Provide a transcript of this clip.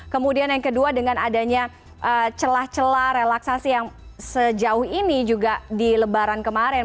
kemudian yang kedua dengan adanya celah celah relaksasi yang sejauh ini juga di lebaran kemarin